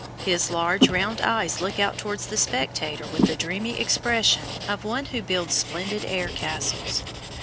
His large round eyes look out towards the spectator with the dreamy expression of one who builds splendid air castles.